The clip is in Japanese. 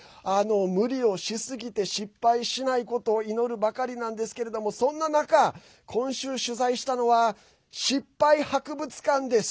無理をしすぎて失敗しないことを祈るばかりですがそんな中、今週、取材したのは失敗博物館です。